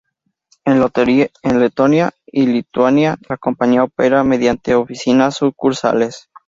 En Letonia y Lituania la compañía opera mediante oficinas sucursales.